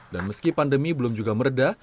dan meski pandemi belum juga meredah